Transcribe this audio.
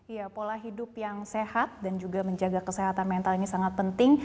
iya pola hidup yang sehat dan juga menjaga kesehatan mental ini sangat penting